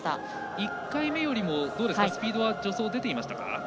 １回目よりもスピードは助走、出てましたか。